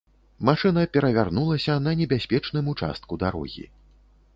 Машына перавярнулася на небяспечным участку дарогі.